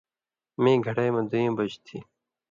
مِیں گھڑئی مہ دُوئیں بج تھی۔